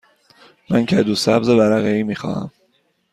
من کدو سبز ورقه ای می خواهم.